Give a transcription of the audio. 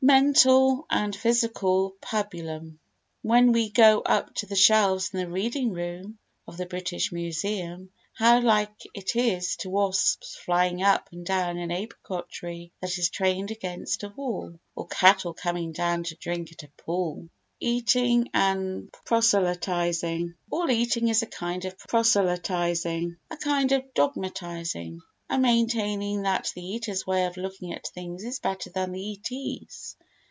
Mental and Physical Pabulum When we go up to the shelves in the reading room of the British Museum, how like it is to wasps flying up and down an apricot tree that is trained against a wall, or cattle coming down to drink at a pool! Eating and Proselytising All eating is a kind of proselytising—a kind of dogmatising—a maintaining that the eater's way of looking at things is better than the eatee's.